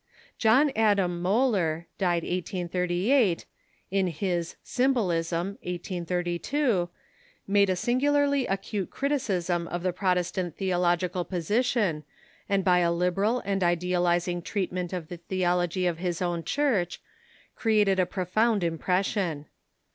John Adam Mohler (died 1838) in his "Sym bolism" (1832) made a singularly acute criticism of the Prot estant theological position, and by a liberal and idealizing treat ment of the theology of his own Church created a pi'ofound impression.